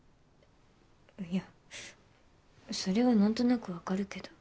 いやそれは何となく分かるけど。